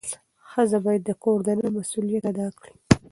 ښځه باید د کور دننه مسؤلیت ادا کړي.